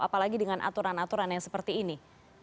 apalagi dengan aturan aturan yang seperti ini